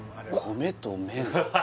米と麺？